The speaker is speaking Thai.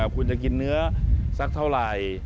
คุณจะกินเนื้อสักเท่าไหร่